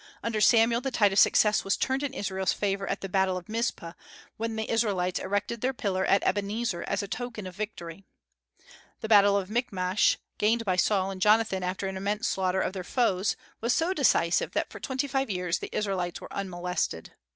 Under Samuel the tide of success was turned in Israel's favor at the battle of Mizpeh, when the Israelites erected their pillar at Ebenezer as a token of victory. The battle of Michmash, gained by Saul and Jonathan after an immense slaughter of their foes, was so decisive that for twenty five years the Israelites were unmolested.